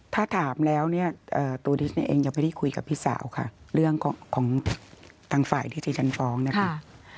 ถ้าถามแล้วเนี่ยตัวดิสเนี่ยเองยังไม่ได้คุยกับพี่สาวค่ะเรื่องของทางฝ่ายที่ที่ฉันฟ้องนะคะ